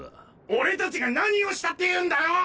俺たちが何をしたっていうんだよ！